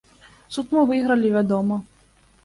Суд мы выйгралі, вядома.